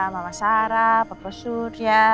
mama sarah papa surya